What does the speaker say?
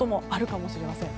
かもしれません